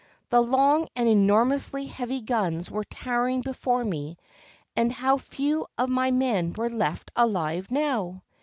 The long and enormously heavy guns were towering before me, and how few of my men were left alive now